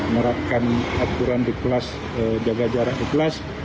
menerapkan aturan di kelas jaga jarak di kelas